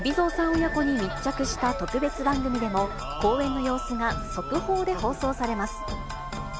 親子に密着した特別番組でも、公演の様子が速報で放送されます。